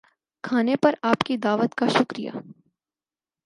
کھانے پر آپ کی دعوت کا شکریہ